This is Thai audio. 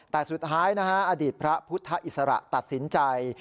แต่สุดท้ายนะฮะอดีตพระพุทธอิสระตัดสินใจ